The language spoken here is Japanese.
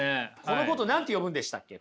このことを何て呼ぶんでしたっけ？